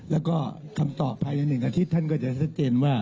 แล้วก็คำตอบภายใน๑อาทิตย์ท่านก็จะชัดเจนว่า